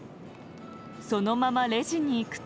そのままレジにいくと。